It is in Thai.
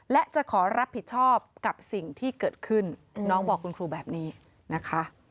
และจะขอรับผิดชอบกับสิ่งที่เกิดขึ้นน้องบอกคุณครูแบบนี้นะคะ